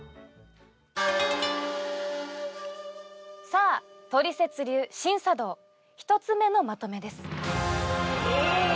さあトリセツ流シン茶道１つ目のまとめです。